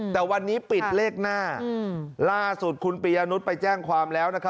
แต่วันนี้ปิดเลขหน้าล่าสุดคุณปียะนุษย์ไปแจ้งความแล้ว